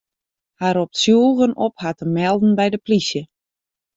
Hy ropt tsjûgen op har te melden by de plysje.